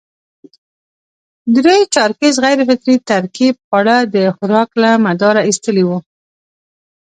درې چارکیز غیر فطري ترکیب خواړه د خوراک له مداره اېستلي وو.